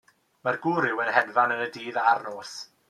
Mae'r gwryw yn hedfan yn y dydd a'r nos.